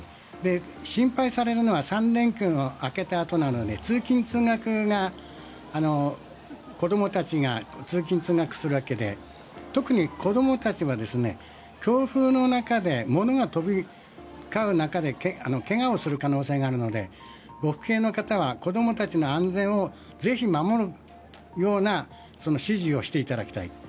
心配されるのは３連休の明けたあとなので子どもたちが通勤・通学するわけで特に子どもたちは強風の中で物が飛び交う中で怪我をする可能性があるのでご父兄の方は子どもたちの安全をぜひ守るような指示をしていただきたい。